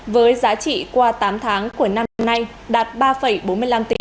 với giá trị qua tám tháng của năm nay đạt ba bốn mươi năm tỷ